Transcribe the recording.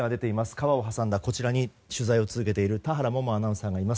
川を挟んだこちらに取材を続けている田原萌々アナウンサーがいます。